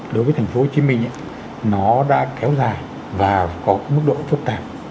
đối với thành phố hồ chí minh nó đã kéo dài và có mức độ phức tạp